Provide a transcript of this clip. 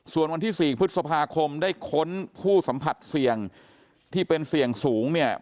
ส่วนวันที่๔พฤษภาคมได้ค้นผู้สัมผัสเสี่ยงที่เป็นเสี่ยงสูงเนี่ย